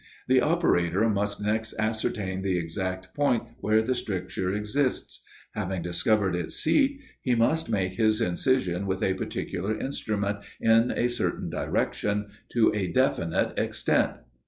The operator must next ascertain the exact point where the stricture exists; having discovered its seat, he must make his incision with a particular instrument in a certain direction to a definite extent.